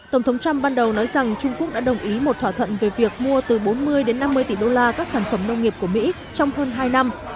tổng thống trump ban đầu nói rằng trung quốc đã đồng ý một thỏa thuận về việc mua từ bốn mươi đến năm mươi tỷ đô la các sản phẩm nông nghiệp của mỹ trong hơn hai năm